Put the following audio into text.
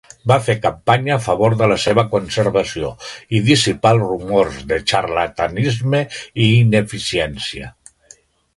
Va fer campanya a favor de la seva conservació i dissipar els rumors de xarlatanisme i ineficiència.